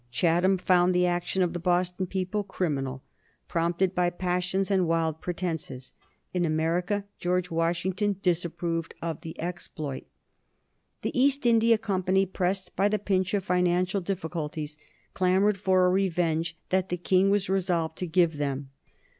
Chatham found the action of the Boston people criminal, prompted by passions and wild pretences. In America George Washington disapproved of the exploit. [Sidenote: 1774 Closing the port of Boston] The East India Company, pressed by the pinch of financial difficulties, clamored for a revenge that the King was resolved to give them.